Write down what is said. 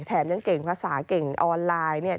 แถมยังเก่งภาษาเก่งออนไลน์เนี่ย